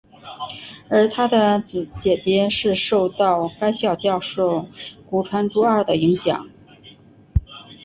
而他的姊姊是受到该校教授古川竹二的影响。